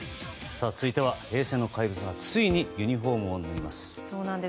続いては平成の怪物がついにユニホームを脱ぎます。